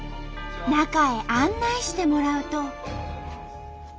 中へ案内してもらうと。